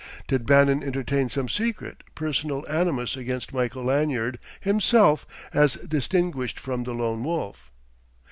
Did Bannon entertain some secret, personal animus against Michael Lanyard himself as distinguished from the Lone Wolf?